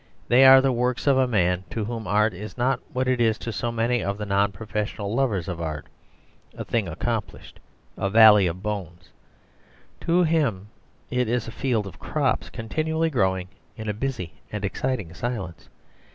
They are the works of a man to whom art is not what it is to so many of the non professional lovers of art, a thing accomplished, a valley of bones: to him it is a field of crops continually growing in a busy and exciting silence.